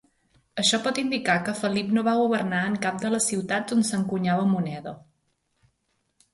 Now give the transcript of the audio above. Això pot indicar que Felip no va governar en cap de les ciutats on s'encunyava moneda.